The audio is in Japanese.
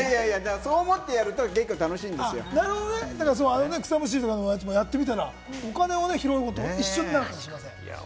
そう思ってやると結構楽しい草むしりのやつも、やってみたら、お金を拾うのと一緒に楽しめるのかもしれません。